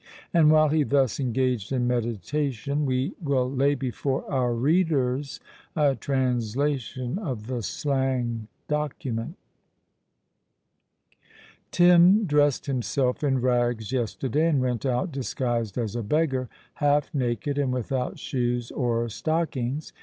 And while he is thus engaged in meditation, we will lay before our readers a translation of the slang document:— "Tim dressed himself in rags yesterday, and went out disguised as a beggar half naked and without shoes or stockings.